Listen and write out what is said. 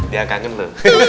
ya kangen lu